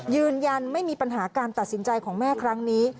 ยืนยันไม่มีปัญหาการตัดสินใจของแม่ครั้งนี้